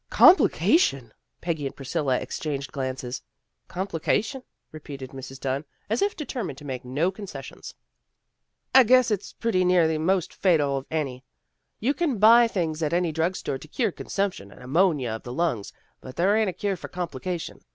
" Complication! " Peggy and Priscilla ex changed glances. " Complication," repeated Mrs. Dunn, as if AT HOME WITH THE DUNNS 125 determined to make no concessions. " I guess it's pretty near the most fatal of any. You can buy things at any drug store to cure consump tion and amonia of the lungs, but there ain't a cure for complication.